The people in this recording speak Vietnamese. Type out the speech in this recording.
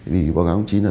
vì báo cáo chính là